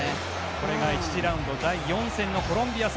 これが１次ラウンド第４戦のコロンビア戦。